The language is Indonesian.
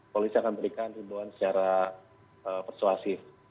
polisi akan memberikan himpuan secara persuasif